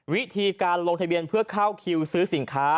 วิธีการลงทะเบียนเพื่อเข้าคิวซื้อสินค้า